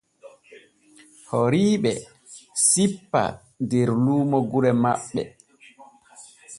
Horiiɗe sippaa der luumo gure maɓɓe.